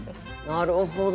なるほど。